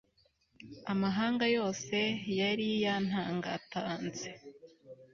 amahanga yose yari yantangatanze